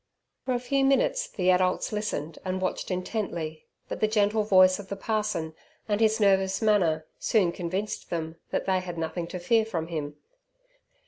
For a few minutes the adults listened and watched intently, but the gentle voice of the parson, and his nervous manner, soon convinced them that they had nothing to fear from him.